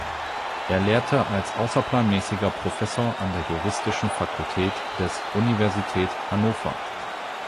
Er lehrte als außerplanmäßiger Professor an der Juristischen Fakultät des Universität Hannover.